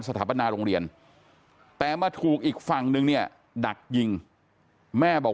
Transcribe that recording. สถาปนาโรงเรียนแต่มาถูกอีกฝั่งนึงเนี่ยดักยิงแม่บอก